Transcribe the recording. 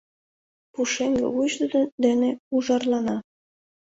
Пушеҥге вуйжо дене ужарлана.